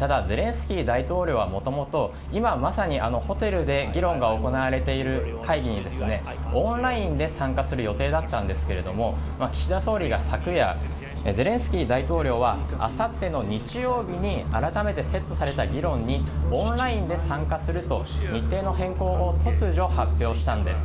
ただ、ゼレンスキー大統領はもともと今まさにホテルで議論が行われている会議にオンラインで参加する予定だったんですけども岸田総理が昨夜ゼレンスキー大統領はあさっての日曜日に改めてセットされた議論にオンラインで参加すると日程の変更を突如発表したんです。